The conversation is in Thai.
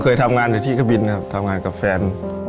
เคยทำงานอยู่ที่กะบินครับทำงานกับแฟน